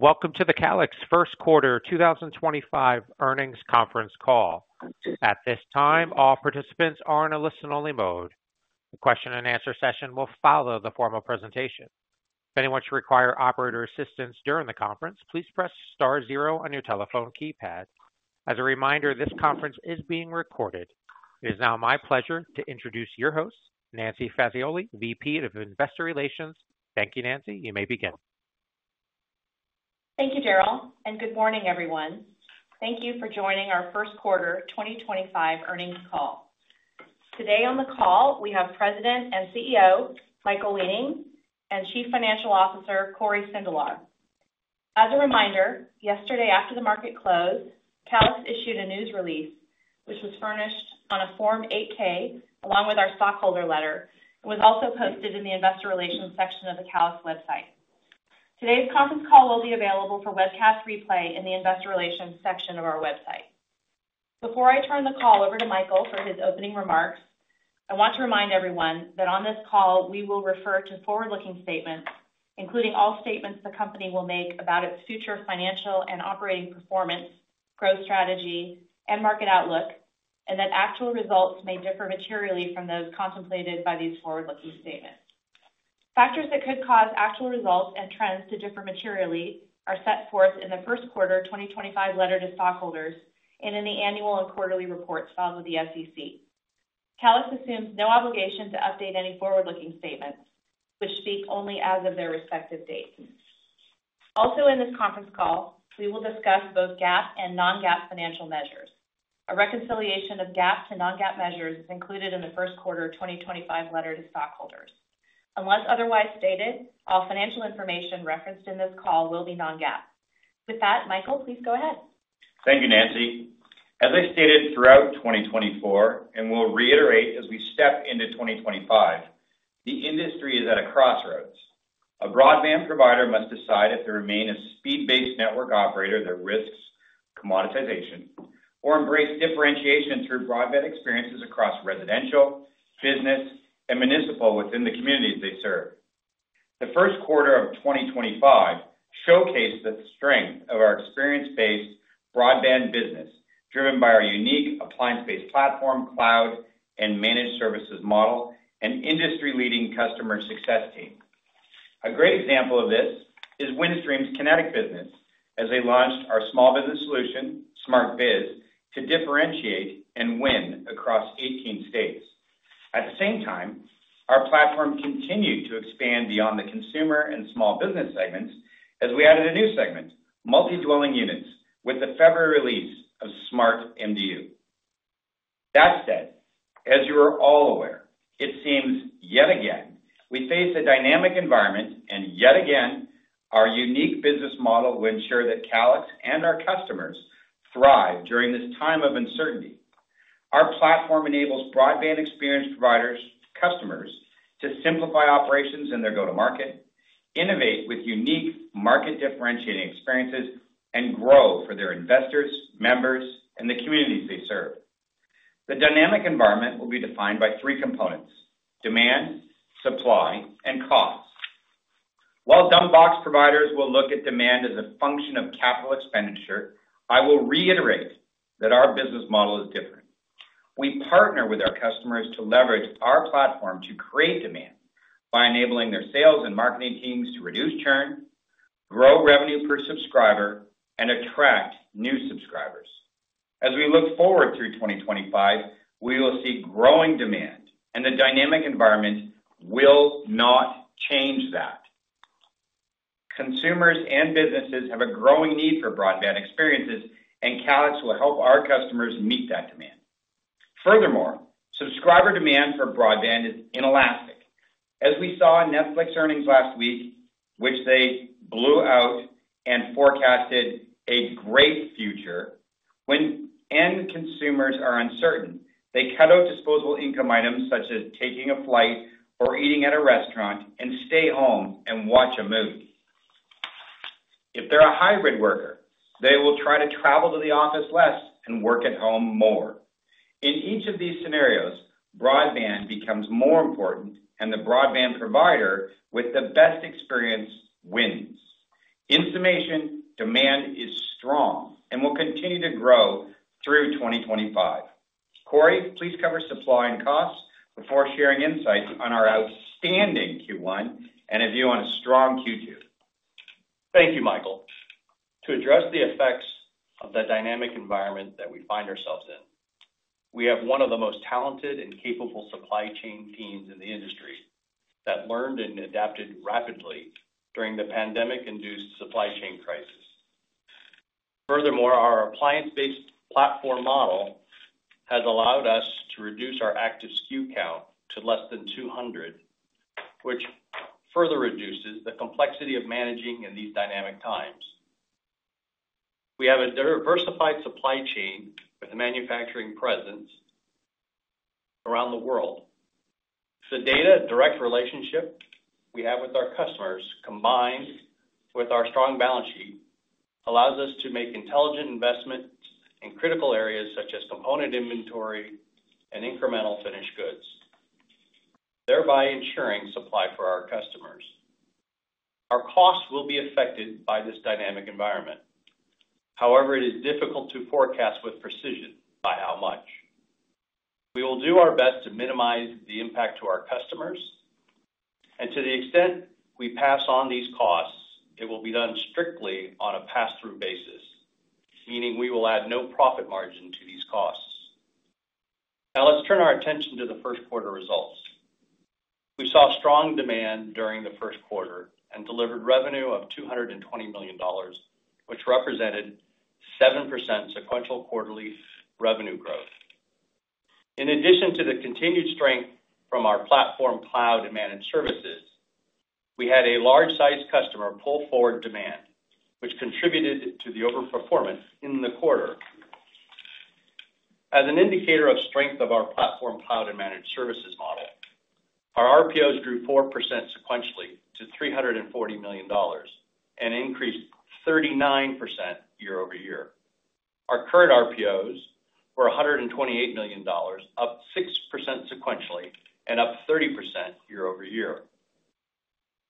Welcome to the Calix Q1 2025 Earnings Conference Call. At this time, all participants are in a listen-only mode. The question-and-answer session will follow the formal presentation. If anyone should require operator assistance during the conference, please press star zero on your telephone keypad. As a reminder, this conference is being recorded. It is now my pleasure to introduce your host, Nancy Fazioli, VP of Investor Relations. Thank you, Nancy. You may begin. Thank you, Daryl, and good morning, everyone. Thank you for joining our Q1 2025 Earnings Call. Today on the call, we have President and CEO Michael Weening, and Chief Financial Officer Cory Sindelar. As a reminder, yesterday after the market closed, Calix issued a news release, which was furnished on a Form 8-K along with our stockholder letter, and was also posted in the Investor Relations section of the Calix website. Today's conference call will be available for webcast replay in the Investor Relations section of our website. Before I turn the call over to Michael for his opening remarks, I want to remind everyone that on this call we will refer to forward-looking statements, including all statements the company will make about its future financial and operating performance, growth strategy, and market outlook, and that actual results may differ materially from those contemplated by these forward-looking statements. Factors that could cause actual results and trends to differ materially are set forth in the Q1 2025 letter to stockholders and in the annual and quarterly reports filed with the SEC. Calix assumes no obligation to update any forward-looking statements, which speak only as of their respective dates. Also, in this conference call, we will discuss both GAAP and non-GAAP financial measures. A reconciliation of GAAP to non-GAAP measures is included in the Q1 2025 letter to stockholders. Unless otherwise stated, all financial information referenced in this call will be non-GAAP. With that, Michael, please go ahead. Thank you, Nancy. As I stated throughout 2024, and I'll reiterate as we step into 2025, the industry is at a crossroads. A broadband provider must decide if they remain a speed-based network operator that risks commoditization or embrace differentiation through broadband experiences across residential, business, and municipal within the communities they serve. The Q1 of 2025 showcased the strength of our experience-based broadband business, driven by our unique appliance-based platform, cloud, and managed services model, and industry-leading customer success team. A great example of this is Windstream's Kinetic business as they launched our small business solution, SmartBiz, to differentiate and win across 18 states. At the same time, our platform continued to expand beyond the consumer and small business segments as we added a new segment, multi-dwelling units, with the February release of SmartMDU. That said, as you are all aware, it seems yet again we face a dynamic environment, and yet again, our unique business model will ensure that Calix and our customers thrive during this time of uncertainty. Our platform enables broadband experience providers' customers to simplify operations in their go-to-market, innovate with unique market differentiating experiences, and grow for their investors, members, and the communities they serve. The dynamic environment will be defined by three components: demand, supply, and costs. While dumb box providers will look at demand as a function of capital expenditure, I will reiterate that our business model is different. We partner with our customers to leverage our platform to create demand by enabling their sales and marketing teams to reduce churn, grow revenue per subscriber, and attract new subscribers. As we look forward through 2025, we will see growing demand, and the dynamic environment will not change that. Consumers and businesses have a growing need for broadband experiences, and Calix will help our customers meet that demand. Furthermore, subscriber demand for broadband is inelastic. As we saw in Netflix earnings last week, which they blew out and forecasted a great future, when end consumers are uncertain, they cut out disposable income items such as taking a flight or eating at a restaurant and stay home and watch a movie. If they're a hybrid worker, they will try to travel to the office less and work at home more. In each of these scenarios, broadband becomes more important, and the broadband provider with the best experience wins. In summation, demand is strong and will continue to grow through 2025. Cory, please cover supply and costs before sharing insights on our outstanding Q1 and a view on a strong Q2. Thank you, Michael. To address the effects of the dynamic environment that we find ourselves in, we have one of the most talented and capable supply chain teams in the industry that learned and adapted rapidly during the pandemic-induced supply chain crisis. Furthermore, our appliance-based platform model has allowed us to reduce our active SKU count to less than 200, which further reduces the complexity of managing in these dynamic times. We have a diversified supply chain with a manufacturing presence around the world. The data and direct relationship we have with our customers, combined with our strong balance sheet, allows us to make intelligent investments in critical areas such as component inventory and incremental finished goods, thereby ensuring supply for our customers. Our costs will be affected by this dynamic environment. However, it is difficult to forecast with precision by how much. We will do our best to minimize the impact to our customers, and to the extent we pass on these costs, it will be done strictly on a pass-through basis, meaning we will add no profit margin to these costs. Now, let's turn our attention to the Q1 results. We saw strong demand during the Q1 and delivered revenue of $220 million, which represented 7% sequential quarterly revenue growth. In addition to the continued strength from our platform, cloud, and managed services, we had a large-sized customer pull forward demand, which contributed to the overperformance in the quarter. As an indicator of strength of our platform, cloud, and managed services model, our RPOs grew 4% sequentially to $340 million and increased 39% year-over-year. Our current RPOs were $128 million, up 6% sequentially and up 30% year-over-year.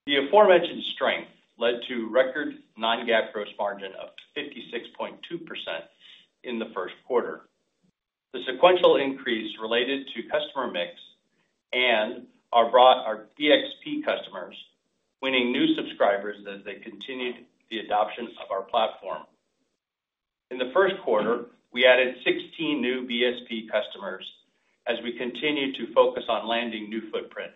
The aforementioned strength led to record non-GAAP gross margin of 56.2% in the Q1. The sequential increase related to customer mix and our BSP customers winning new subscribers as they continued the adoption of our platform. In the Q1, we added 16 new BSP customers as we continued to focus on landing new footprint.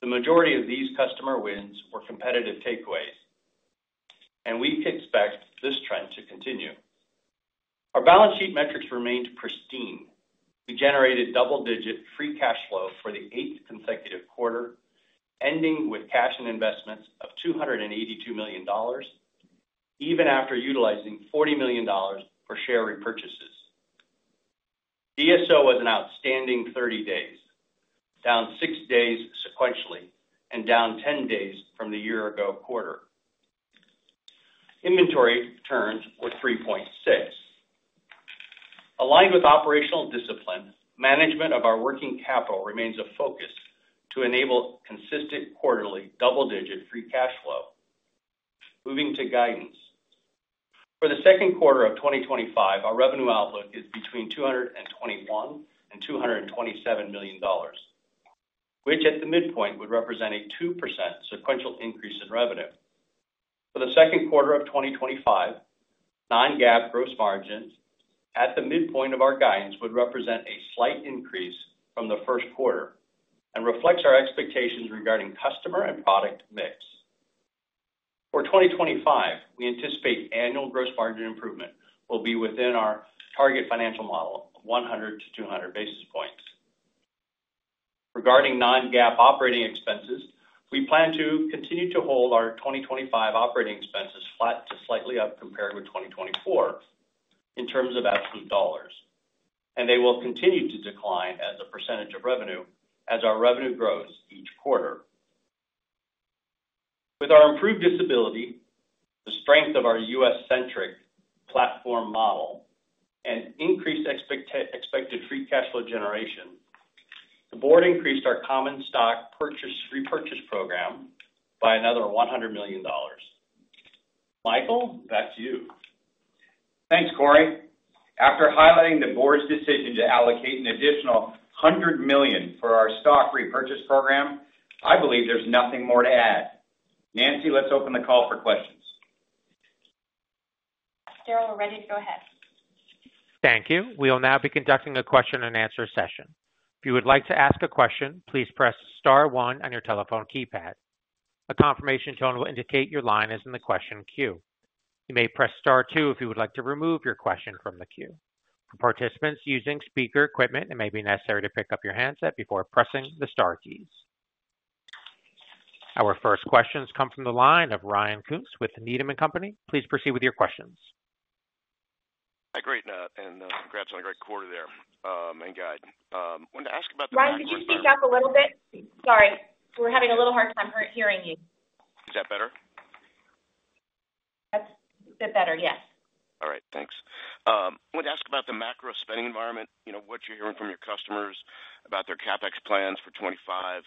The majority of these customer wins were competitive takeaways, and we expect this trend to continue. Our balance sheet metrics remained pristine. We generated double-digit free cash flow for the eighth consecutive quarter, ending with cash and investments of $282 million, even after utilizing $40 million for share repurchases. DSO was an outstanding 30 days, down 6 days sequentially and down 10 days from the year-ago quarter. Inventory turns were 3.6. Aligned with operational discipline, management of our working capital remains a focus to enable consistent quarterly double-digit free cash flow. Moving to guidance. For the Q2 of 2025, our revenue outlook is between $221 million and $227 million, which at the midpoint would represent a 2% sequential increase in revenue. For the Q2 of 2025, non-GAAP gross margins at the midpoint of our guidance would represent a slight increase from the Q1 and reflects our expectations regarding customer and product mix. For 2025, we anticipate annual gross margin improvement will be within our target financial model of 100 to 200 basis points. Regarding non-GAAP operating expenses, we plan to continue to hold our 2025 operating expenses flat to slightly up compared with 2024 in terms of absolute dollars, and they will continue to decline as a percentage of revenue as our revenue grows each quarter. With our improved visibility, the strength of our U.S.-centric platform model, and increased expected free cash flow generation, the board increased our common stock repurchase program by another $100 million. Michael, back to you. Thanks, Cory. After highlighting the board's decision to allocate an additional $100 million for our stock repurchase program, I believe there's nothing more to add. Nancy, let's open the call for questions. Daryl, we're ready to go ahead. Thank you. We will now be conducting a question-and-answer session. If you would like to ask a question, please press star one on your telephone keypad. A confirmation tone will indicate your line is in the question queue. You may press star two if you would like to remove your question from the queue. For participants using speaker equipment, it may be necessary to pick up your handset before pressing the star keys. Our first questions come from the line of Ryan Koontz with Needham & Company. Please proceed with your questions. Hi, great, and congrats on a great quarter there, and guide. I wanted to ask about the— Ryan, could you speak up a little bit? Sorry. We're having a little hard time hearing you. Is that better? That's better, yes. All right, thanks. I wanted to ask about the macro spending environment, what you're hearing from your customers about their CAPEX plans for 2025. I'd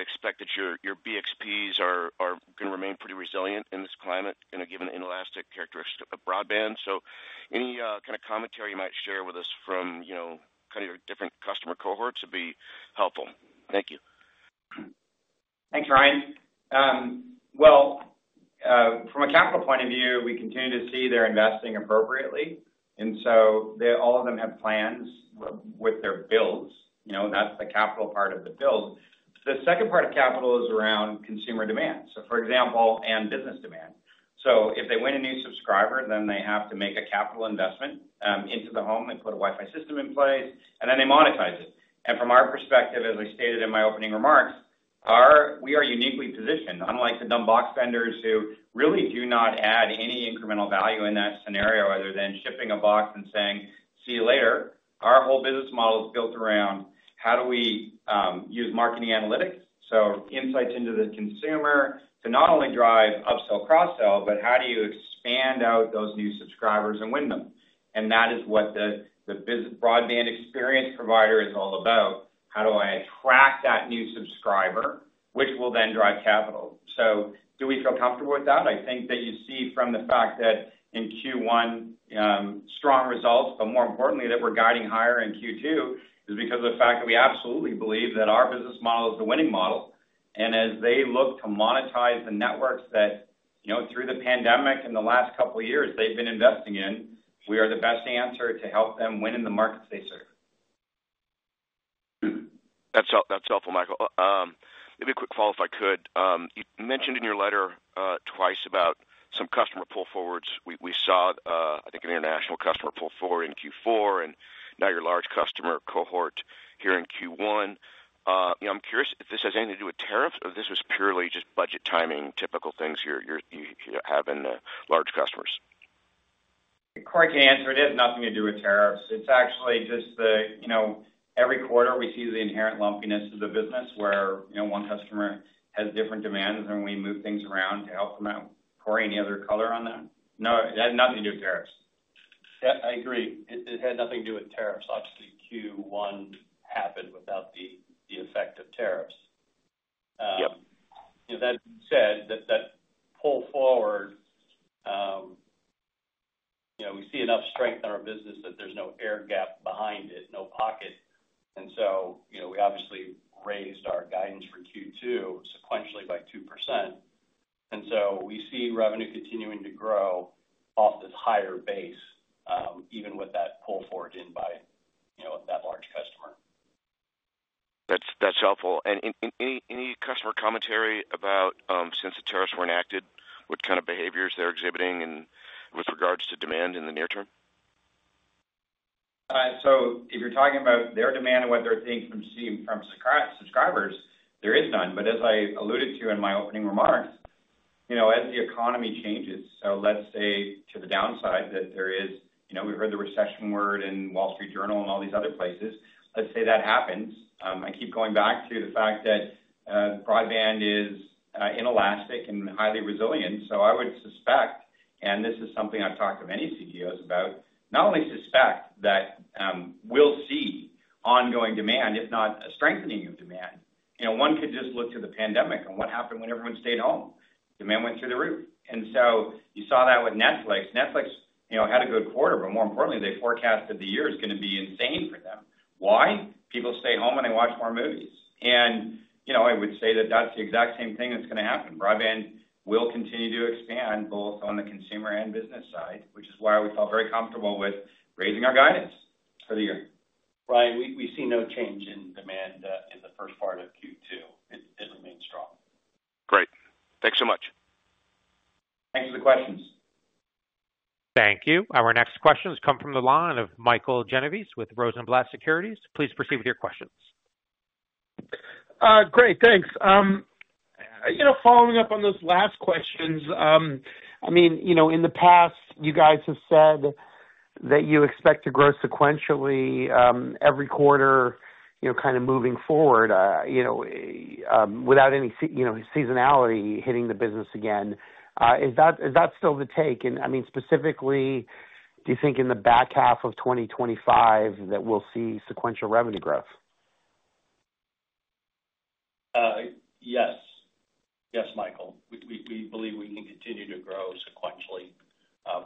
expect that your BXPs are going to remain pretty resilient in this climate given the inelastic characteristics of broadband. Any kind of commentary you might share with us from kind of your different customer cohorts would be helpful. Thank you. Thanks, Ryan. From a capital point of view, we continue to see they're investing appropriately. All of them have plans with their builds. That's the capital part of the build. The second part of capital is around consumer demand, for example, and business demand. If they win a new subscriber, then they have to make a capital investment into the home. They put a Wi-Fi system in place, and then they monetize it. From our perspective, as I stated in my opening remarks, we are uniquely positioned, unlike the dumb box vendors who really do not add any incremental value in that scenario other than shipping a box and saying, "See you later." Our whole business model is built around how do we use marketing analytics, so insights into the consumer to not only drive upsell, cross-sell, but how do you expand out those new subscribers and win them? That is what the broadband experience provider is all about. How do I attract that new subscriber, which will then drive capital? Do we feel comfortable with that? I think that you see from the fact that in Q1, strong results, but more importantly, that we're guiding higher in Q2 is because of the fact that we absolutely believe that our business model is the winning model. As they look to monetize the networks that through the pandemic in the last couple of years they've been investing in, we are the best answer to help them win in the markets they serve. That's helpful, Michael. Maybe a quick follow-up, if I could. You mentioned in your letter twice about some customer pull forwards. We saw, I think, an international customer pull forward in Q4, and now your large customer cohort here in Q1. I'm curious if this has anything to do with tariffs or if this was purely just budget timing, typical things you have in large customers. Cory can answer it. It has nothing to do with tariffs. It's actually just that every quarter we see the inherent lumpiness of the business where one customer has different demands, and we move things around to help them out. Cory, any other color on that? No, it has nothing to do with tariffs. Yeah, I agree. It had nothing to do with tariffs. Obviously, Q1 happened without the effect of tariffs. That said, that pull forward, we see enough strength in our business that there's no air gap behind it, no pocket. We obviously raised our guidance for Q2 sequentially by 2%. We see revenue continuing to grow off this higher base, even with that pull forward in by that large customer. That's helpful. Any customer commentary about since the tariffs were enacted, what kind of behaviors they're exhibiting with regards to demand in the near term? If you're talking about their demand and what they're seeing from subscribers, there is none. As I alluded to in my opening remarks, as the economy changes, let's say to the downside, we have heard the recession word in Wall Street Journal and all these other places. Let's say that happens. I keep going back to the fact that broadband is inelastic and highly resilient. I would suspect, and this is something I've talked to many CEOs about, not only suspect that we'll see ongoing demand, if not a strengthening of demand. One could just look to the pandemic and what happened when everyone stayed home. Demand went through the roof. You saw that with Netflix. Netflix had a good quarter, but more importantly, they forecast that the year is going to be insane for them. Why? People stay home and they watch more movies. I would say that that's the exact same thing that's going to happen. Broadband will continue to expand both on the consumer and business side, which is why we felt very comfortable with raising our guidance for the year. Ryan, we see no change in demand in the first part of Q2. It remains strong. Great. Thanks so much. Thanks for the questions. Thank you. Our next questions come from the line of Michael Genovese with Rosenblatt Securities. Please proceed with your questions. Great, thanks. Following up on those last questions, I mean, in the past, you guys have said that you expect to grow sequentially every quarter kind of moving forward without any seasonality hitting the business again. Is that still the take? I mean, specifically, do you think in the back half of 2025 that we'll see sequential revenue growth? Yes. Yes, Michael. We believe we can continue to grow sequentially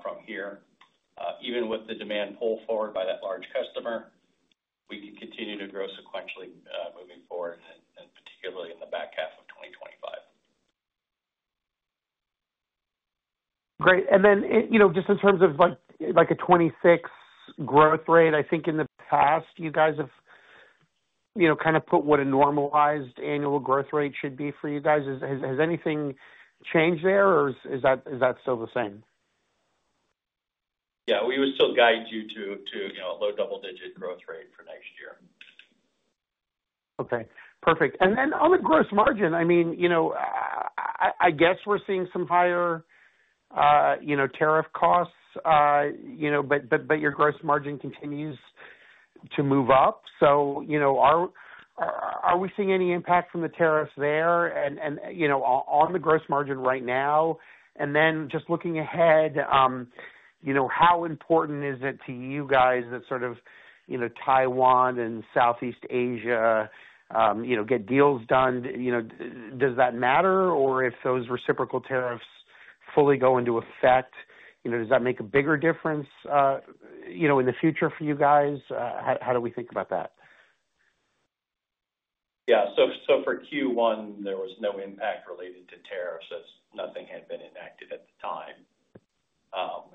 from here. Even with the demand pull forward by that large customer, we can continue to grow sequentially moving forward, and particularly in the back half of 2025. Great. In terms of a 26% growth rate, I think in the past, you guys have kind of put what a normalized annual growth rate should be for you guys. Has anything changed there, or is that still the same? Yeah, we would still guide you to a low double-digit growth rate for next year. Okay. Perfect. I mean, I guess we're seeing some higher tariff costs, but your gross margin continues to move up. Are we seeing any impact from the tariffs there on the gross margin right now? Just looking ahead, how important is it to you guys that sort of Taiwan and Southeast Asia get deals done? Does that matter? If those reciprocal tariffs fully go into effect, does that make a bigger difference in the future for you guys? How do we think about that? Yeah. For Q1, there was no impact related to tariffs as nothing had been enacted at the time.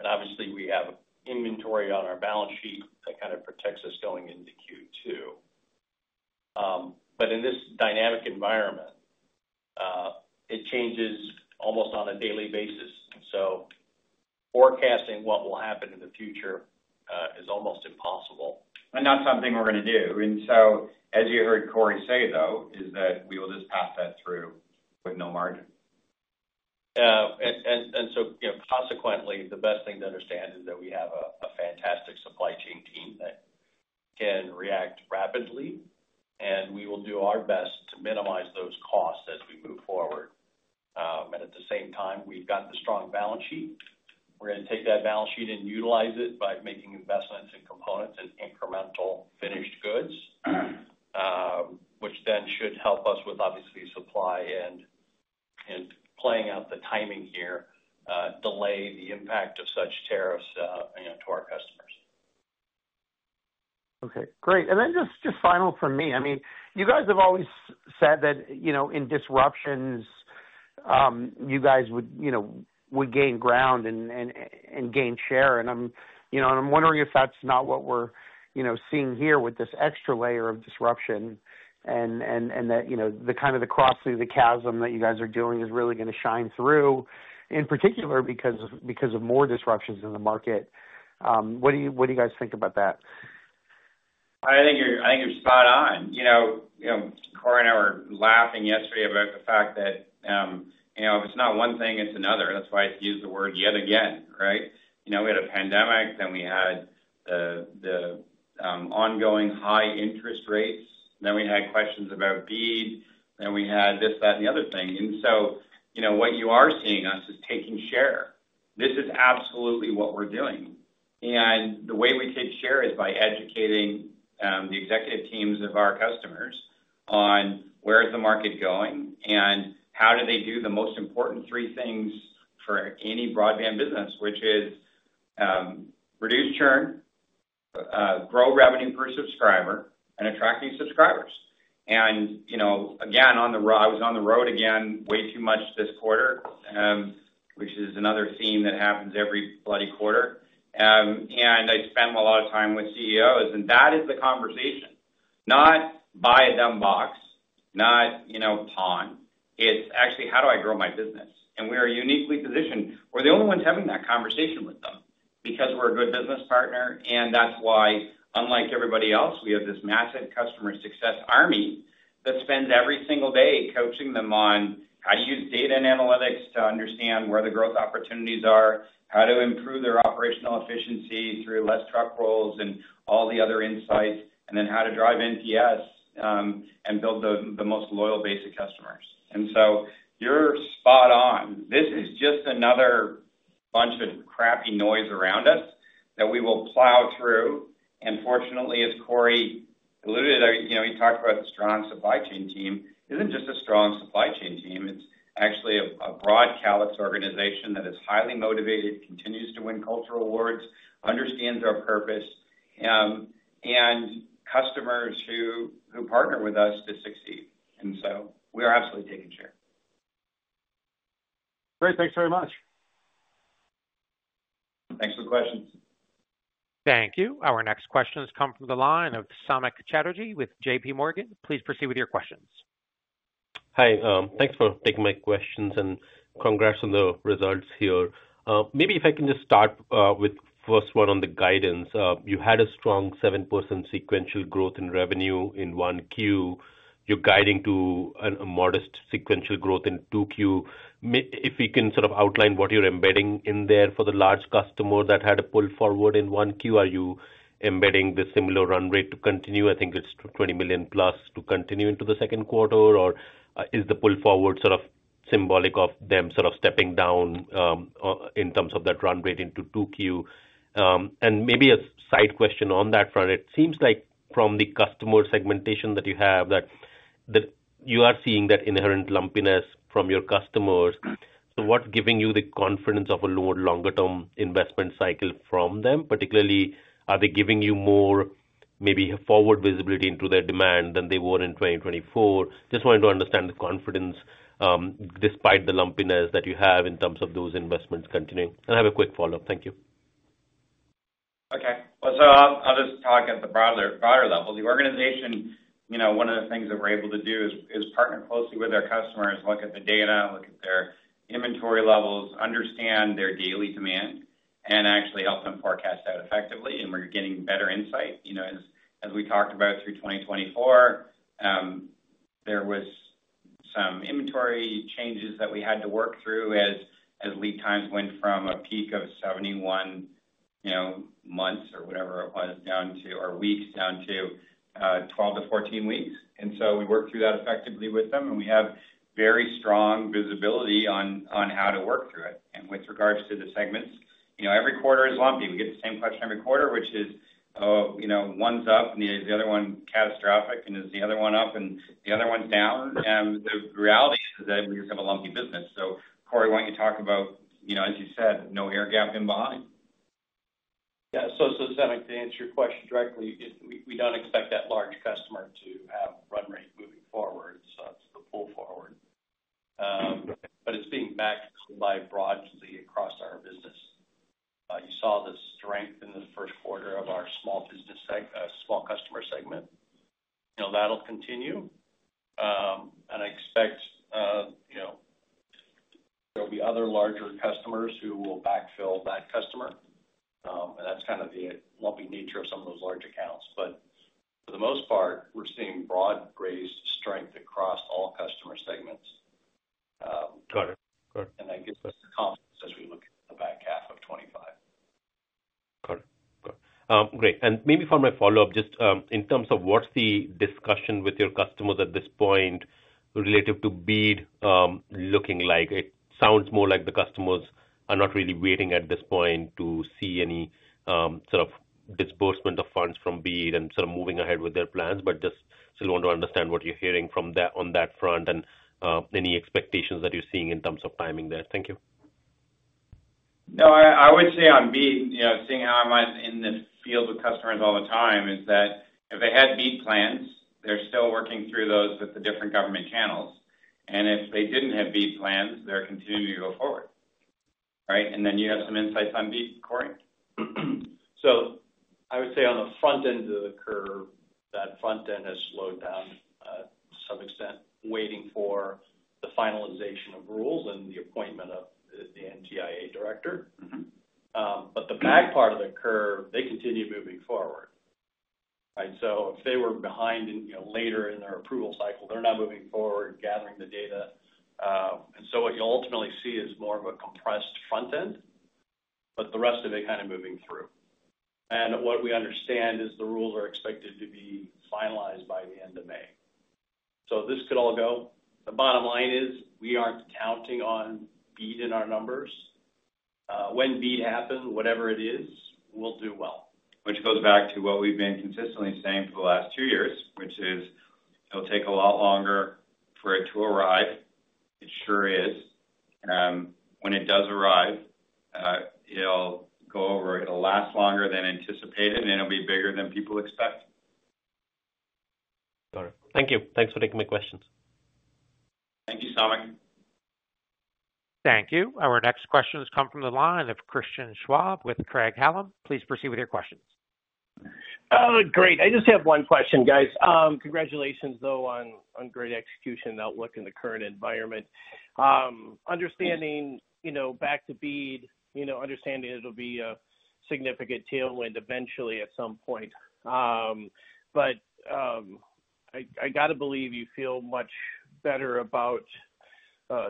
Obviously, we have inventory on our balance sheet that kind of protects us going into Q2. In this dynamic environment, it changes almost on a daily basis. Forecasting what will happen in the future is almost impossible. That is something we're going to do. As you heard Cory say, though, is that we will just pass that through with no margin. Consequently, the best thing to understand is that we have a fantastic supply chain team that can react rapidly, and we will do our best to minimize those costs as we move forward. At the same time, we've got the strong balance sheet. We're going to take that balance sheet and utilize it by making investments in components and incremental finished goods, which then should help us with, obviously, supply and playing out the timing here, delay the impact of such tariffs to our customers. Okay. Great. And then just final from me. I mean, you guys have always said that in disruptions, you guys would gain ground and gain share. I am wondering if that's not what we're seeing here with this extra layer of disruption and that the kind of the cross through the chasm that you guys are doing is really going to shine through, in particular because of more disruptions in the market. What do you guys think about that? I think you're spot on. Cory and I were laughing yesterday about the fact that if it's not one thing, it's another. That's why I used the word yet again, right? We had a pandemic, then we had the ongoing high interest rates, then we had questions about BEAD, then we had this, that, and the other thing. What you are seeing us is taking share. This is absolutely what we're doing. The way we take share is by educating the executive teams of our customers on where is the market going and how do they do the most important three things for any broadband business, which is reduce churn, grow revenue per subscriber, and attract new subscribers. I was on the road again way too much this quarter, which is another theme that happens every bloody quarter. I spent a lot of time with CEOs, and that is the conversation. Not buy a dumb box, not pawn. It's actually, how do I grow my business? We are uniquely positioned. We're the only ones having that conversation with them because we're a good business partner, and that's why, unlike everybody else, we have this massive customer success army that spends every single day coaching them on how to use data and analytics to understand where the growth opportunities are, how to improve their operational efficiency through less truck rolls and all the other insights, and then how to drive NPS and build the most loyal, basic customers. You are spot on. This is just another bunch of crappy noise around us that we will plow through. Fortunately, as Cory alluded, he talked about the strong supply chain team. It is not just a strong supply chain team. It is actually a broad Calix organization that is highly motivated, continues to win cultural awards, understands our purpose, and customers who partner with us to succeed. We are absolutely taking share. Great. Thanks very much. Thanks for the questions. Thank you. Our next questions come from the line of Samik Chatterjee with J.P. Morgan. Please proceed with your questions. Hi. Thanks for taking my questions and congrats on the results here. Maybe if I can just start with the first one on the guidance. You had a strong 7% sequential growth in revenue in Q1. You're guiding to a modest sequential growth in Q2. If we can sort of outline what you're embedding in there for the large customer that had a pull forward in Q1, are you embedding the similar run rate to continue? I think it's $20 million plus to continue into the Q2, or is the pull forward sort of symbolic of them sort of stepping down in terms of that run rate into Q2? Maybe a side question on that front, it seems like from the customer segmentation that you have, that you are seeing that inherent lumpiness from your customers. What is giving you the confidence of a longer-term investment cycle from them? Particularly, are they giving you more maybe forward visibility into their demand than they were in 2024? I just wanted to understand the confidence despite the lumpiness that you have in terms of those investments continuing. I have a quick follow-up. Thank you. Okay. I'll just talk at the broader level. The organization, one of the things that we're able to do is partner closely with our customers, look at the data, look at their inventory levels, understand their daily demand, and actually help them forecast that effectively. We're getting better insight. As we talked about through 2024, there were some inventory changes that we had to work through as lead times went from a peak of 71, months or whatever it was down to or weeks, down to 12 to 14 weeks. We worked through that effectively with them, and we have very strong visibility on how to work through it. With regards to the segments, every quarter is lumpy. We get the same question every quarter, which is, "Oh, one's up and the other one catastrophic, and is the other one up and the other one's down?" The reality is that we just have a lumpy business. Cory, why don't you talk about, as you said, no air gap in behind? Yeah. Samik, to answer your question directly, we don't expect that large customer to have run rate moving forward. That's the pull forward. It is being backed by broadly across our business. You saw the strength in the Q1 of our small customer segment. That'll continue. I expect there will be other larger customers who will backfill that customer. That is kind of the lumpy nature of some of those large accounts. For the most part, we're seeing broad-based strength across all customer segments. That gives us confidence as we look at the back half of 2025. Got it. Got it. Great. Maybe for my follow-up, just in terms of what's the discussion with your customers at this point related to BEAD looking like? It sounds more like the customers are not really waiting at this point to see any sort of disbursement of funds from BEAD and sort of moving ahead with their plans, but just still want to understand what you're hearing on that front and any expectations that you're seeing in terms of timing there. Thank you. No, I would say on BEAD, seeing how I'm in the field with customers all the time, is that if they had BEAD plans, they're still working through those with the different government channels. If they didn't have BEAD plans, they're continuing to go forward, right? You have some insights on BEAD, Cory? I would say on the front end of the curve, that front end has slowed down to some extent, waiting for the finalization of rules and the appointment of the NTIA director. The back part of the curve, they continue moving forward, right? If they were behind later in their approval cycle, they're now moving forward, gathering the data. What you'll ultimately see is more of a compressed front end, but the rest of it kind of moving through. What we understand is the rules are expected to be finalized by the end of May. This could all go. The bottom line is we aren't counting on BEAD in our numbers. When BEAD happens, whatever it is, we'll do well. Which goes back to what we've been consistently saying for the last two years, which is it'll take a lot longer for it to arrive. It sure is. When it does arrive, it'll go over. It'll last longer than anticipated, and it'll be bigger than people expect. Got it. Thank you. Thanks for taking my questions. Thank you, Samik. Thank you. Our next question has come from the line of Christian Schwab with Craig-Hallum. Please proceed with your questions. Great. I just have one question, guys. Congratulations, though, on great execution and outlook in the current environment. Understanding back to BEAD, understanding it'll be a significant tailwind eventually at some point. I got to believe you feel much better about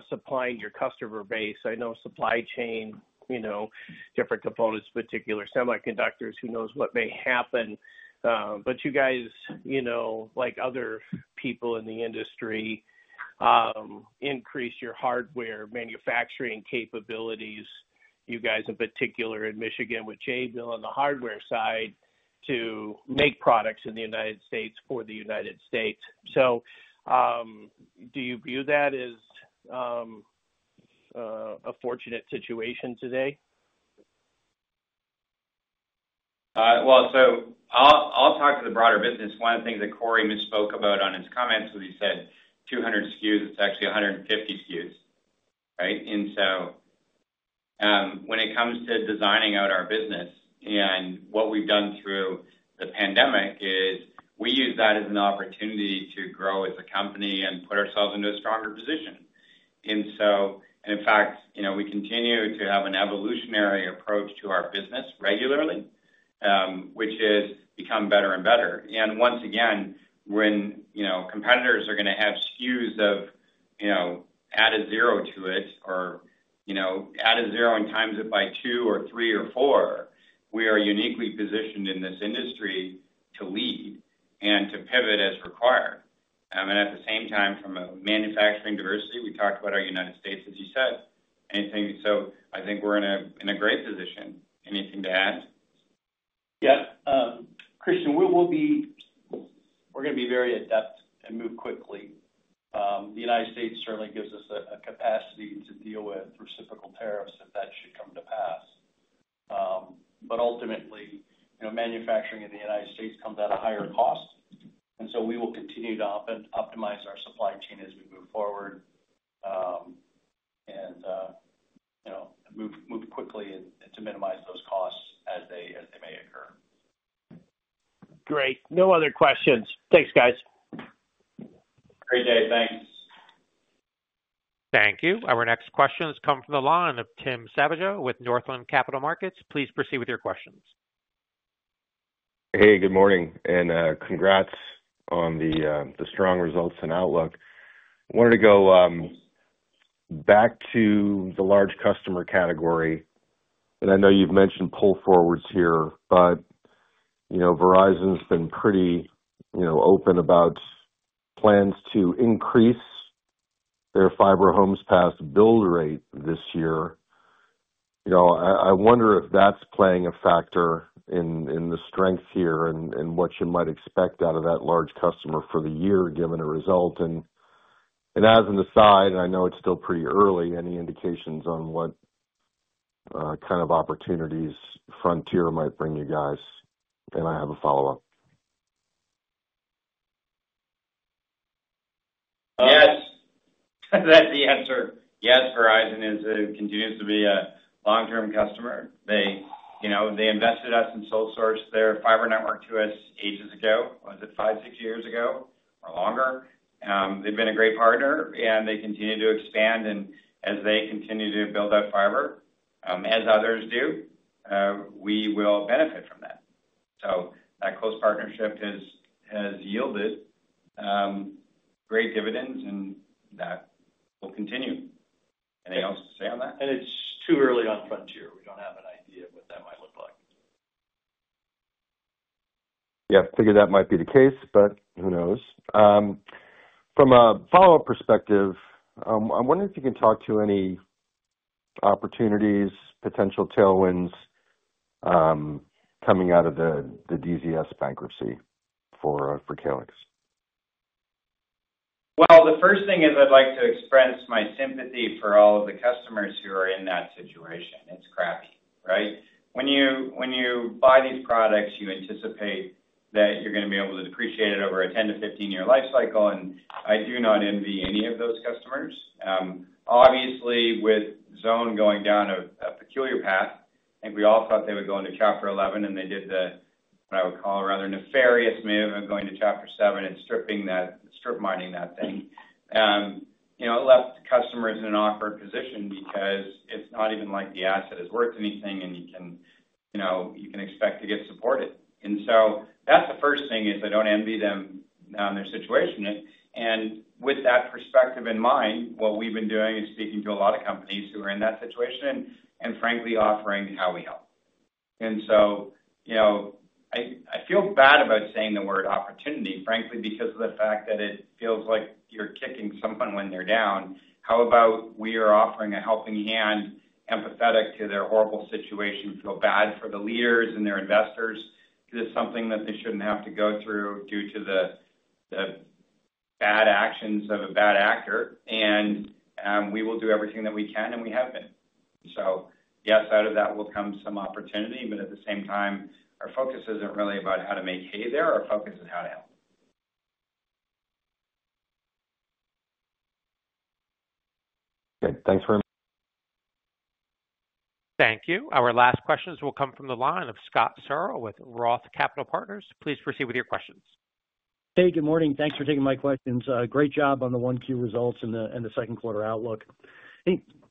supplying your customer base. I know supply chain, different components, particular semiconductors, who knows what may happen. You guys, like other people in the industry, increase your hardware manufacturing capabilities, you guys in particular in Michigan with Jabil on the hardware side to make products in the United States for the United States. Do you view that as a fortunate situation today? I'll talk to the broader business. One of the things that Cory misspoke about on his comments was he said 200 SKUs. It's actually 150 SKUs, right? When it comes to designing out our business and what we've done through the pandemic is we use that as an opportunity to grow as a company and put ourselves into a stronger position. In fact, we continue to have an evolutionary approach to our business regularly, which is become better and better. Once again, when competitors are going to have SKUs of add a zero to it or add a zero and times it by two or three or four, we are uniquely positioned in this industry to lead and to pivot as required. At the same time, from a manufacturing diversity, we talked about our United States, as you said. I think we're in a great position. Anything to add? Yeah. Christian, we're going to be very adept and move quickly. The United States certainly gives us a capacity to deal with reciprocal tariffs if that should come to pass. Ultimately, manufacturing in the United States comes at a higher cost. We will continue to optimize our supply chain as we move forward and move quickly to minimize those costs as they may occur. Great. No other questions. Thanks, guys. Great day. Thanks. Thank you. Our next question has come from the line of Tim Savageaux with Northland Capital Markets. Please proceed with your questions. Hey, good morning. Congrats on the strong results and outlook. I wanted to go back to the large customer category. I know you've mentioned pull forwards here, but Verizon's been pretty open about plans to increase their fiber homes passed build rate this year. I wonder if that's playing a factor in the strength here and what you might expect out of that large customer for the year given a result. As an aside, I know it's still pretty early, any indications on what kind of opportunities Frontier might bring you guys? I have a follow-up. Yes. That's the answer. Yes, Verizon continues to be a long-term customer. They invested in sole source, their fiber network to us ages ago. Was it five, six years ago or longer? They've been a great partner, and they continue to expand. As they continue to build out fiber, as others do, we will benefit from that. That close partnership has yielded great dividends, and that will continue. Anything else to say on that? It is too early on Frontier. We do not have an idea of what that might look like. Yeah. I figured that might be the case, but who knows? From a follow-up perspective, I'm wondering if you can talk to any opportunities, potential tailwinds coming out of the DZS bankruptcy for Calix. The first thing is I'd like to express my sympathy for all of the customers who are in that situation. It's crappy, right? When you buy these products, you anticipate that you're going to be able to depreciate it over a 10- to 15-year life cycle. I do not envy any of those customers. Obviously, with Zhone going down a peculiar path, I think we all thought they would go into Chapter 11, and they did the, what I would call, rather nefarious move of going to Chapter 7 and strip mining that thing. It left customers in an awkward position because it's not even like the asset has worth anything, and you can expect to get supported. That's the first thing is I don't envy them on their situation. With that perspective in mind, what we've been doing is speaking to a lot of companies who are in that situation and, frankly, offering how we help. I feel bad about saying the word opportunity, frankly, because of the fact that it feels like you're kicking someone when they're down. How about we are offering a helping hand, empathetic to their horrible situation, feel bad for the leaders and their investors? Because it's something that they shouldn't have to go through due to the bad actions of a bad actor. We will do everything that we can, and we have been. Yes, out of that will come some opportunity. At the same time, our focus isn't really about how to make hay there. Our focus is how to help. Okay. Thanks very much. Thank you. Our last questions will come from the line of Scott Searle with Roth Capital Partners. Please proceed with your questions. Hey, good morning. Thanks for taking my questions. Great job on the Q1 results and the Q2 outlook.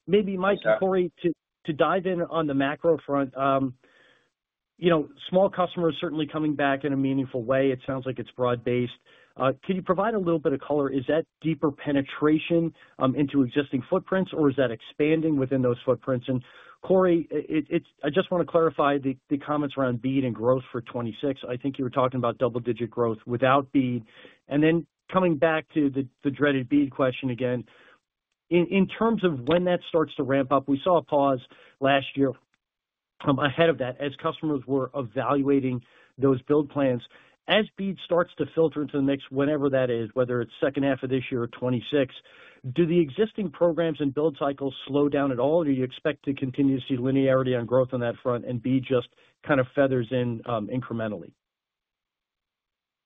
Maybe Mike, Cory, to dive in on the macro front, small customers certainly coming back in a meaningful way. It sounds like it's broad-based. Could you provide a little bit of color? Is that deeper penetration into existing footprints, or is that expanding within those footprints? Cory, I just want to clarify the comments around BEAD and growth for 2026. I think you were talking about double-digit growth without BEAD. Coming back to the dreaded BEAD question again, in terms of when that starts to ramp up, we saw a pause last year from ahead of that as customers were evaluating those build plans. As BEAD starts to filter into the mix, whenever that is, whether it's second half of this year or 2026, do the existing programs and build cycles slow down at all, or do you expect to continue to see linearity on growth on that front and BEAD just kind of feathers in incrementally?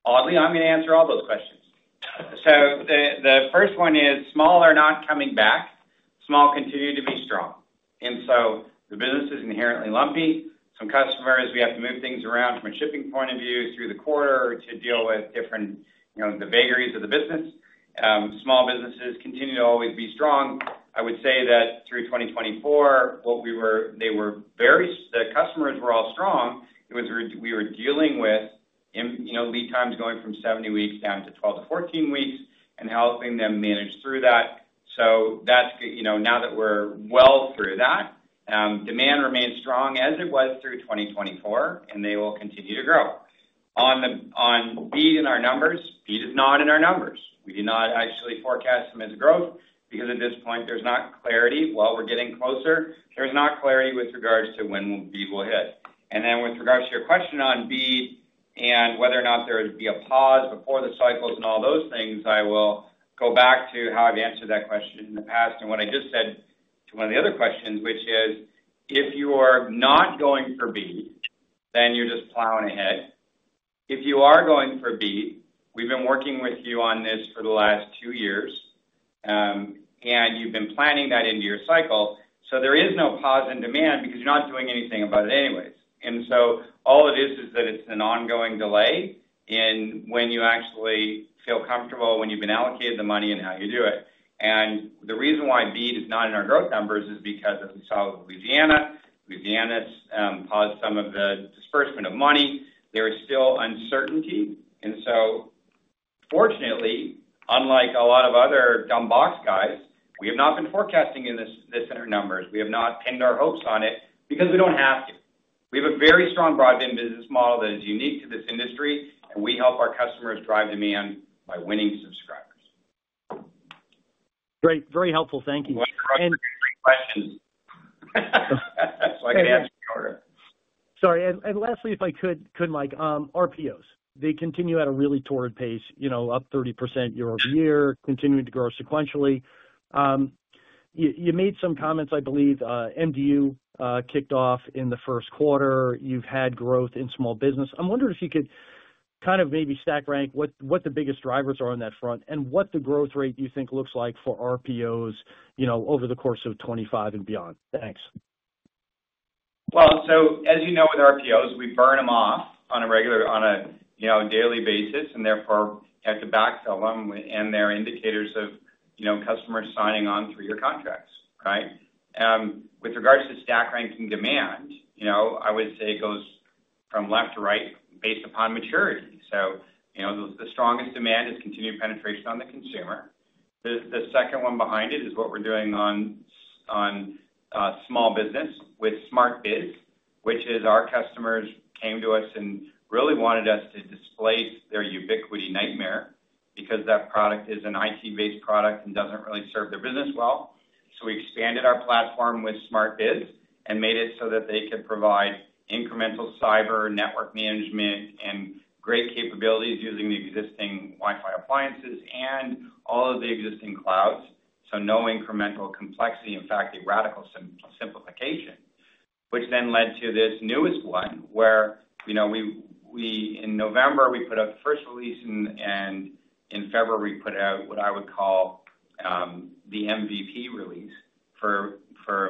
Oddly, I'm going to answer all those questions. The first one is small are not coming back. Small continue to be strong. The business is inherently lumpy. Some customers, we have to move things around from a shipping point of view through the quarter to deal with the vagaries of the business. Small businesses continue to always be strong. I would say that through 2024, what we were the customers were all strong. It was we were dealing with lead times going from 70 weeks down to 12 to 14 weeks and helping them manage through that. Now that we're well through that, demand remains strong as it was through 2024, and they will continue to grow. On BEAD in our numbers, BEAD is not in our numbers. We do not actually forecast them as growth because at this point, there's not clarity. While we're getting closer, there's not clarity with regards to when BEAD will hit. With regards to your question on BEAD and whether or not there would be a pause before the cycles and all those things, I will go back to how I've answered that question in the past and what I just said to one of the other questions, which is if you are not going for BEAD, then you're just plowing ahead. If you are going for BEAD, we've been working with you on this for the last two years, and you've been planning that into your cycle. There is no pause in demand because you're not doing anything about it anyways. All it is is that it's an ongoing delay in when you actually feel comfortable, when you've been allocated the money and how you do it. The reason why BEAD is not in our growth numbers is because, as we saw with Louisiana, Louisiana's paused some of the disbursement of money. There is still uncertainty. Fortunately, unlike a lot of other dumb box guys, we have not been forecasting this in our numbers. We have not pinned our hopes on it because we do not have to. We have a very strong broadband business model that is unique to this industry, and we help our customers drive demand by winning subscribers. Great. Very helpful. Thank you. Questions. I can answer in order. Sorry. Lastly, if I could, Mike, RPOs. They continue at a really torrid pace, up 30% year-over-year, continuing to grow sequentially. You made some comments, I believe. MDU kicked off in the Q1. you have had growth in small business. I am wondering if you could kind of maybe stack rank what the biggest drivers are on that front and what the growth rate you think looks like for RPOs over the course of 2025 and beyond. Thanks. As you know, with RPOs, we burn them off on a regular daily basis, and therefore, you have to backfill them. They're indicators of customers signing on through your contracts, right? With regards to stack ranking demand, I would say it goes from left to right based upon maturity. The strongest demand is continued penetration on the consumer. The second one behind it is what we're doing on small business with SmartBiz, which is our customers came to us and really wanted us to displace their Ubiquiti nightmare because that product is an IT-based product and doesn't really serve their business well. We expanded our platform with SmartBiz and made it so that they could provide incremental cyber network management and great capabilities using the existing Wi-Fi appliances and all of the existing clouds. No incremental complexity. In fact, a radical simplification, which then led to this newest one where in November, we put out the first release, and in February, we put out what I would call the MVP release for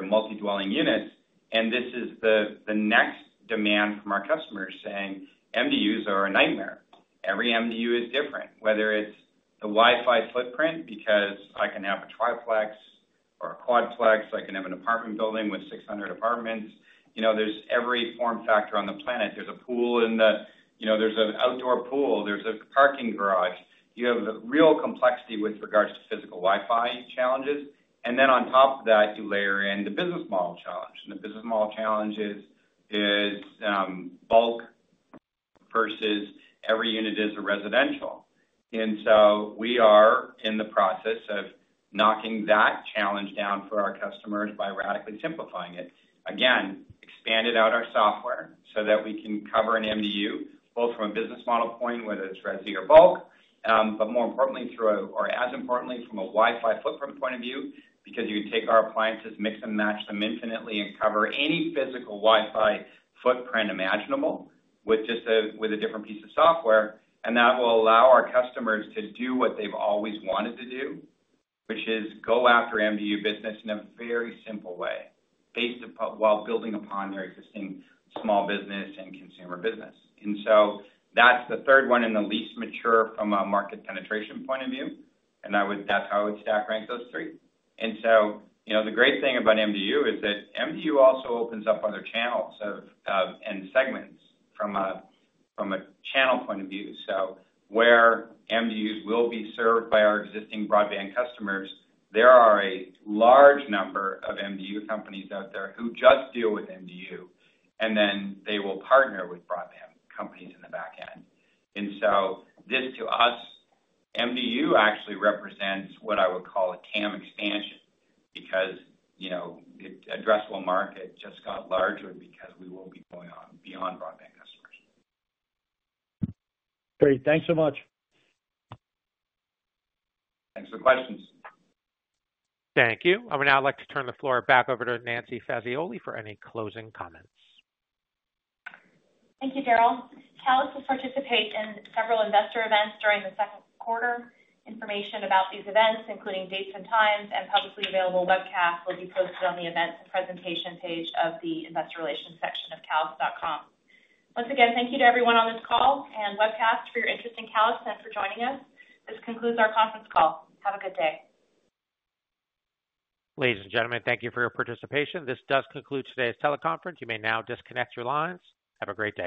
multi-dwelling units. This is the next demand from our customers saying, "MDUs are a nightmare. Every MDU is different, whether it's the Wi-Fi footprint because I can have a triplex or a quadplex. I can have an apartment building with 600 apartments. There's every form factor on the planet. There's a pool, there's an outdoor pool. There's a parking garage. You have real complexity with regards to physical Wi-Fi challenges. On top of that, you layer in the business model challenge. The business model challenge is bulk versus every unit is a residential. We are in the process of knocking that challenge down for our customers by radically simplifying it. Again, expanded out our software so that we can cover an MDU both from a business model point, whether it's resi or bulk, but more importantly, through or as importantly, from a Wi-Fi footprint point of view because you can take our appliances, mix and match them infinitely, and cover any physical Wi-Fi footprint imaginable with a different piece of software. That will allow our customers to do what they've always wanted to do, which is go after MDU business in a very simple way while building upon their existing small business and consumer business. That is the third one and the least mature from a market penetration point of view. That is how I would stack rank those three. The great thing about MDU is that MDU also opens up other channels and segments from a channel point of view. Where MDUs will be served by our existing broadband customers, there are a large number of MDU companies out there who just deal with MDU, and then they will partner with broadband companies in the back end. This, to us, MDU actually represents what I would call a TAM expansion because the addressable market just got larger because we will be going on beyond broadband customers. Great. Thanks so much. Thanks for the questions. Thank you. I would now like to turn the floor back over to Nancy Fazioli for any closing comments. Thank you, Daryl. Calix will participate in several investor events during the Q2. Information about these events, including dates and times and publicly available webcasts, will be posted on the events and presentation page of the Investor Relations section of calix.com. Once again, thank you to everyone on this call and webcast for your interest in Calix and for joining us. This concludes our conference call. Have a good day. Ladies and gentlemen, thank you for your participation. This does conclude today's teleconference. You may now disconnect your lines. Have a great day.